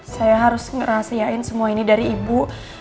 saya harus ngerahasiain semua ini dari ibu